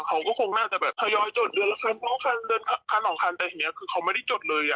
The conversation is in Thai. เขาก็คงน่าจะแบบทยอยจดเดือนละครั้ง๒ครั้งแต่ทีนี้คือเขาไม่ได้จดเลย